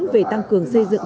về tăng cường xây dựng